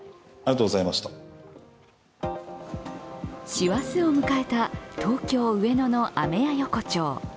師走を迎えた東京・上野のアメヤ横丁。